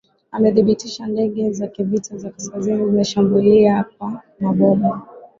amedhibitisha ndege za kivita za kaskazini zimeshambilia kwa mabomu